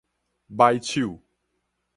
䆀手